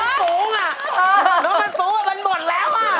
เออมันบ่นแล้วอะ